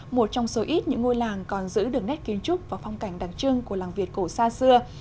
một trong số ít những ngôi làng còn giữ được nét kiến trúc và phong cảnh đặc trưng của làng việt cổ xa xưa